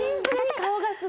顔が？